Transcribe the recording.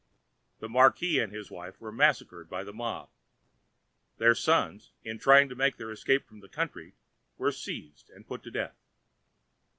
The marquis and his wife were massacred by the mob. Their sons, in trying to make their escape from the country, were seized and put to death.